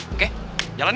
oke jalan yuk